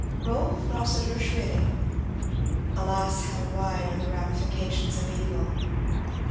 "Rolf Rossitur Schwiden." Alas how wide are the ramifications of evil!